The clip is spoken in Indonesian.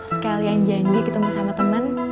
sekalian janji ketemu sama teman